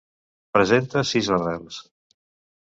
Presenta sis arrels.